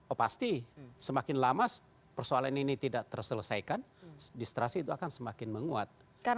oh pasti semakin lama persoalan ini tidak terselesaikan distrasi itu akan semakin menguat